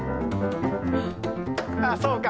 ああそうか。